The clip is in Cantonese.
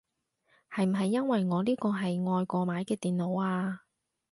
係唔係因為我呢個係外國買嘅電腦啊